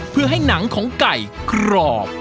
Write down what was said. เพื่อให้หนังของไก่กรอบ